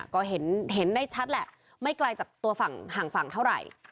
ก็เห็นได้ชัดแหละไม่ไกลจากตัวฝั่งห่างฝั่งเท่าไหร่